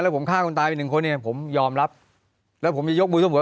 แล้วผมฆ่าคนตายเป็นหนึ่งคนเนี่ยผมยอมรับแล้วผมจะยกบุรุษบอกว่า